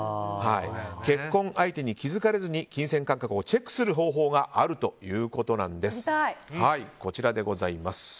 結婚相手に気づかれずに金銭感覚をチェックする方法があるということなんです。